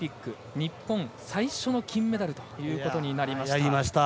日本、最初の金メダルということになりました。